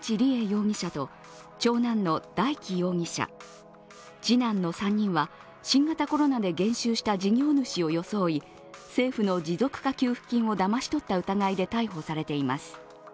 容疑者と長男の大祈容疑者次男の３人は、新型コロナで減収した事業主を装い、政府の持続化給付金をだまし取った疑いで逮捕されています。